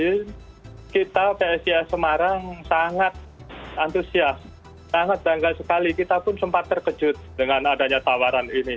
jadi kita pscs semarang sangat antusias sangat bangga sekali kita pun sempat terkejut dengan adanya tawaran ini